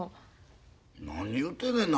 何言うてんねんな。